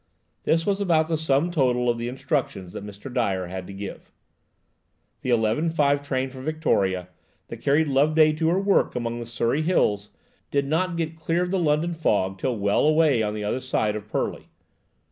This was about the sum total of the instructions that Mr. Dyer had to give. The 11.5 train from Victoria, that carried Loveday to her work among the Surrey Hills, did not get clear of the London fog till well away on the other side of Purley.